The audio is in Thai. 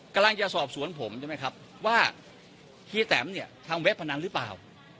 กำลังจะสอบสวนผมใช่ไหมครับว่าเฮียแตมเนี่ยทำเว็บพนันหรือเปล่า